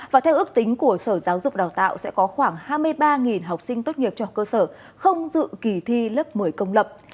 và theo ước tính của sở giáo dục đào tạo sẽ có khoảng hai mươi ba học sinh tốt nghiệp trung học cơ sở không dự kỳ thi lớp một mươi công lập